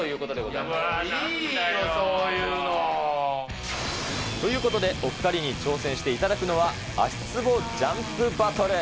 いいよ、そういうの。ということで、お２人に挑戦していただくのは、足つぼジャンプバトル。